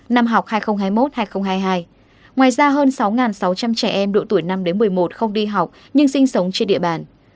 năm học hai nghìn hai mươi một hai nghìn hai mươi hai ngoài ra hơn sáu sáu trăm linh trẻ em độ tuổi năm đến một mươi một không đi học nhưng sinh sống trên địa bàn